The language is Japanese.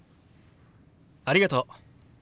ありがとう。